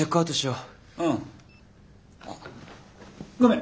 うん。あっごめん。